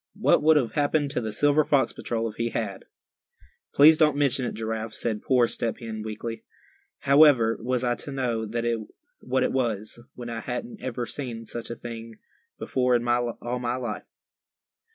what would have happened to the Silver Fox Patrol if he had?" "Please don't mention it, Giraffe," said poor Step Hen, weakly, "However was I to know what it was, when I hadn't ever seen such a thing before in all my life?"